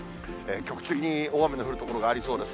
局地的に大雨の降る所がありそうです。